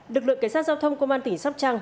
lực lượng cảnh sát giao thông công an tỉnh sóc trăng